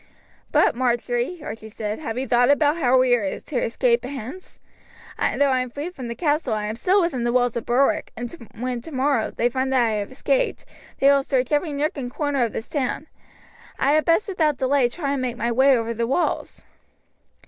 "But, Marjory," Archie said, "have you thought how we are to escape hence; though I am free from the castle I am still within the walls of Berwick, and when, tomorrow, they find that I have escaped, they will search every nook and corner of the town. I had best without delay try and make my way over the walls."